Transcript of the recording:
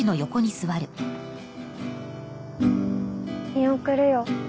見送るよ。